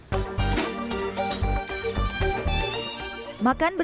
makan bersama buwana